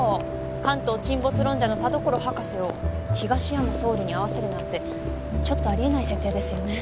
関東沈没論者の田所博士を東山総理に会わせるなんてちょっとあり得ない設定ですよね